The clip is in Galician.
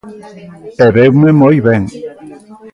E veume moi ben.